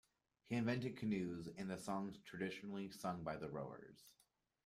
He invented canoes and the songs traditionally sung by the rowers.